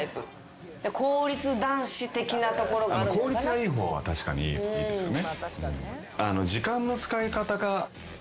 効率がいい方は確かにいいですかね。